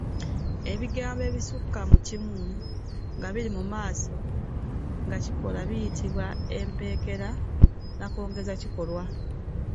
Ebigambo ebisukka mu kimu nga biri mu maaso ga kikolwa biyitibwa Empeekera nnakongezakikolwa.